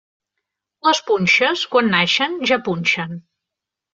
Les punxes, quan naixen, ja punxen.